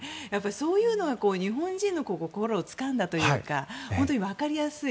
そういうのが日本人の心をつかんだというか本当に分かりやすい。